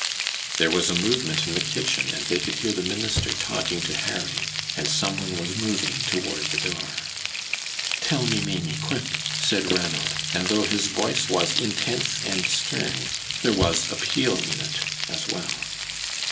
There was a movement in the kitchen, and they could hear the minister talking to Harry; and some one was moving toward the door. "Tell me, Maimie, quick," said Ranald, and though his voice was intense and stern, there was appeal in it as well.